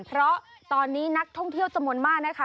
เพราะตอนนี้นักท่องเที่ยวจำนวนมากนะคะ